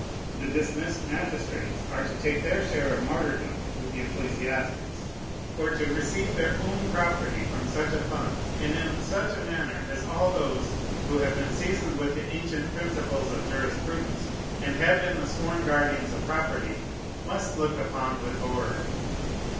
The dismissed magistrates are to take their share of martyrdom with the ecclesiastics, or to receive their own property from such a fund and in such a manner as all those who have been seasoned with the ancient principles of jurisprudence, and had been the sworn guardians of property, must look upon with horror.